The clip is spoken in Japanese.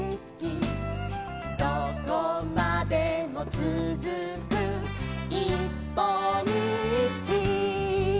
「どこまでもつづくいっぽんみち」